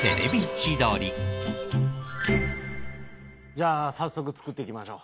じゃあ早速作っていきましょう。